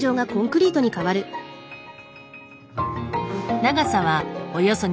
長さはおよそ２５ｍ。